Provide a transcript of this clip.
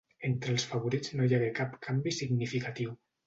Entre els favorits no hi hagué cap canvi significatiu.